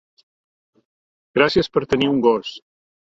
Gràcies per tenir un gos.